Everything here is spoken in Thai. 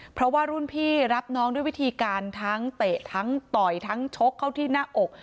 เพราะว่ารุ่นพี่รับน้องด้วยวิธีการทั้งเตะทั้งต่อยทั้งชกเข้าที่หน้าอก